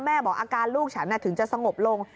บอกอาการลูกฉันถึงจะสงบลง